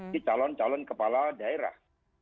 di calon calon kepala daerah